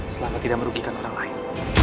selama tidak merugikan orang lain